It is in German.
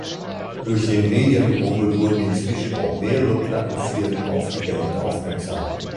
Durch den Medienrummel wurden inzwischen auch mehrere Plattenfirmen auf die Band aufmerksam.